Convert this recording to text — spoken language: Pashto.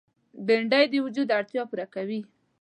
بېنډۍ د وجود اړتیا پوره کوي